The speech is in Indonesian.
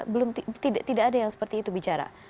belum tidak ada yang seperti itu bicara